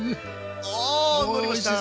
おのりました！